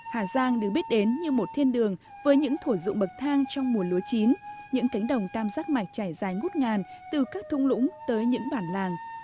hà giang được biết đến như một thiên đường với những thổi dụng bậc thang trong mùa lúa chín những cánh đồng tam giác mạch trải dài ngút ngàn từ các thung lũng tới những bản làng